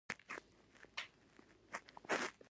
انحصار کوونکی چلونه کاروي.